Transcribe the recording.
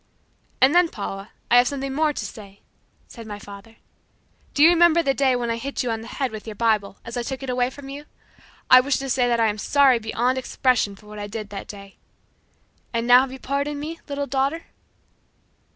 "And then, Paula, I have something more to say," said my father. "Do you remember the day when I hit you on the head with your Bible as I took it away from you? I wish to say that I am sorry beyond expression for what I did that day; and now have you pardoned me, little daughter?"